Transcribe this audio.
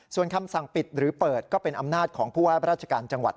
ส่วนคำสั่งปิดหรือเปิดก็เป็นอำนาจของผู้ว่าราชการจังหวัด